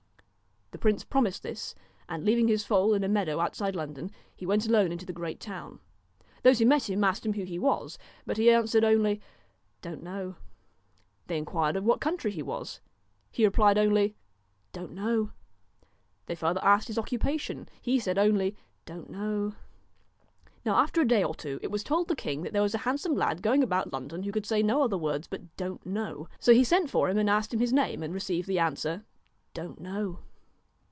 The prince promised this, and leaving his foal in a 136 meadow outside London, he went alone into the DON'T great town. Those who met him asked him who KNOW he was, but he answered only * Don't know.' They inquired of what country he was. He replied only ' Don't know.' They further asked his occupation. He said only ' Don't know.' Now after a day or two it was told the king that there was a handsome lad going about London, who could say no other words but ' Don't know.' So he sent for him and asked him his name, and received the answer ' Don't know.'